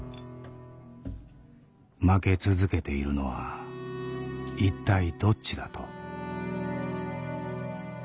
「負け続けているのはいったいどっちだ？」と。